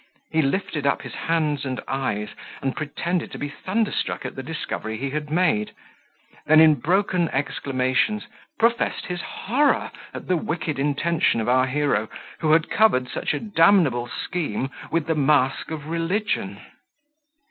He lifted up his hands and eyes, and pretended to be thunderstruck at the discovery he had made; then in broken exclamations, professed his horror at the wicked intention of our hero, who had covered such a damnable scheme with the mask of religion.